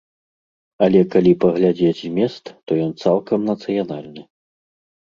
Але калі паглядзець змест, то ён цалкам нацыянальны.